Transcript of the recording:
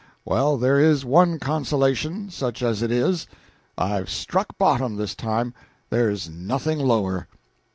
Well, there is one consolation, such as it is I've struck bottom this time; there's nothing lower."